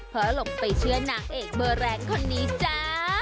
เพราะหลงไปเชื่อนางเอกเบอร์แรงคนนี้จ้า